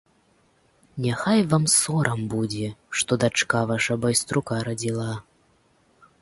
Няхай вам сорам будзе, што дачка ваша байструка радзіла.